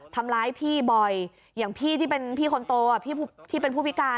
ทำร้ายพี่บ่อยอย่างพี่ที่เป็นพี่คนโตพี่ที่เป็นผู้พิการ